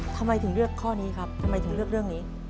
ทำไมถึงเลือกข้อนี้ครับทำไมถึงเลือกเรื่องนี้